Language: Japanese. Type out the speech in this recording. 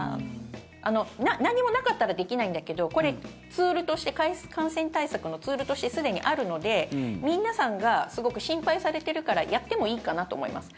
何もなかったらできないんだけどこれ、感染対策のツールとしてすでにあるので皆さんがすごく心配されているからやってもいいかなと思います。